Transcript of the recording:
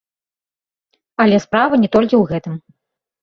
Але справа не толькі ў гэтым.